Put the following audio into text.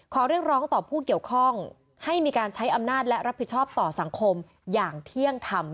ขอเรียกร้องต่อผู้เกี่ยวข้องให้มีการใช้อำนาจและรับผิดชอบต่อสังคมอย่างเที่ยงธรรม